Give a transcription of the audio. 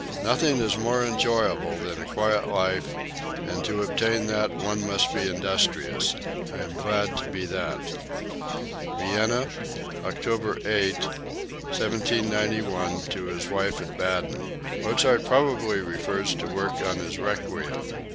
Nothing is more enjoyable than a quiet life and to obtain that one must be industrious. I am glad to be that." (Vienna, October 8, 1791, to his wife at Baden. Mozart probably refers to work on his "Requiem."